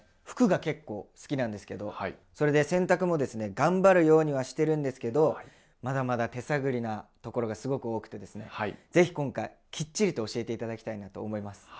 服が結構好きなんですけどそれで洗濯もですね頑張るようにはしてるんですけどまだまだ手探りなところがすごく多くてですね是非今回キッチリと教えて頂きたいなと思います。